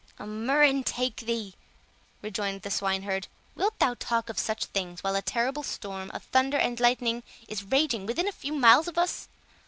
"A murrain take thee," rejoined the swine herd; "wilt thou talk of such things, while a terrible storm of thunder and lightning is raging within a few miles of us?